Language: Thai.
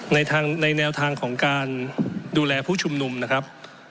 ในแนวทางของการดูแลผู้ชุมนุมนะครับ